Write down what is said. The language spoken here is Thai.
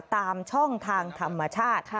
ตามช่องทางธรรมชาติ